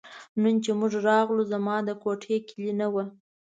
نن چې موږ راغلو زما د کوټې کیلي نه وه.